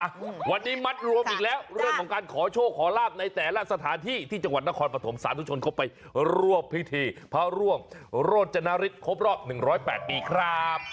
อืมวันนี้มัดรวมอีกแล้วเรื่องของการขอโชคขอลาบในแต่ละสถานที่ที่จังหวัดนครปฐมสาธุชนเข้าไปรวบพิธีพระร่วงโรจนฤทธิครบรอบหนึ่งร้อยแปดปีครับ